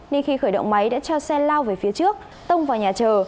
nên khi khởi động máy đã cho xe lao về phía trước tông vào nhà chờ